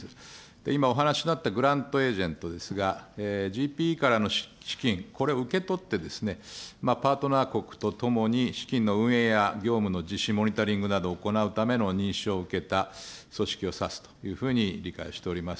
今お話にあったグラントエージェントですが、ＧＰＥからの資金、これを受け取ってですね、パートナー国と共に資金の運営や業務の実施、モニタリングなどを行うための認証を受けた組織を指すというふうに理解しております。